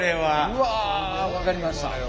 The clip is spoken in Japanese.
うわ分かりました。